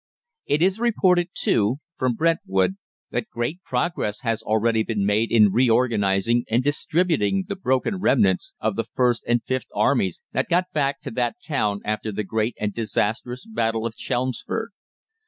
It is reported too, from Brentwood, that great progress has already been made in reorganising and distributing the broken remnants of the 1st and 5th Armies that got back to that town after the great and disastrous battle of Chelmsford.